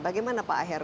bagaimana pak aher